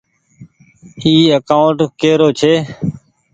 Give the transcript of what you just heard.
اي اڪآونٽ ڪي رو ڇي۔